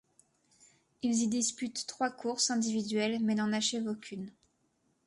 Il y dispute trois courses individuelles mais n'en achève aucune.